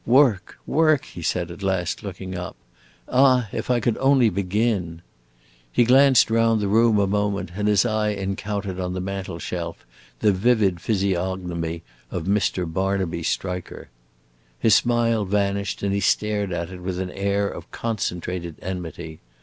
"Work work?" he said at last, looking up, "ah, if I could only begin!" He glanced round the room a moment and his eye encountered on the mantel shelf the vivid physiognomy of Mr. Barnaby Striker. His smile vanished, and he stared at it with an air of concentrated enmity.